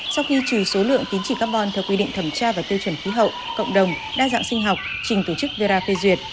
sau khi trừ số lượng tín chỉ carbon theo quy định thẩm tra và tiêu chuẩn khí hậu cộng đồng đa dạng sinh học trình tổ chức vera phê duyệt